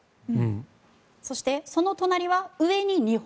そして、その隣は上に２本。